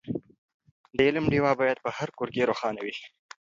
د علم ډېوه باید په هر کور کې روښانه وي.